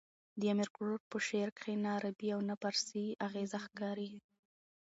د امیر کروړ په شعر کښي نه عربي او نه د پاړسي اغېزې ښکاري.